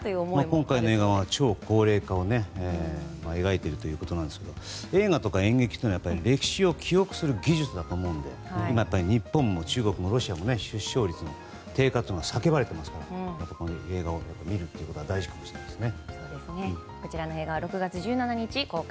今回の映画は超高齢化を描いているということですが映画とか演劇って歴史を記録する技術だと思うのでやっぱり日本も中国もロシアも出生率の低下が叫ばれていますから映画を見るってことは大事かもしれません。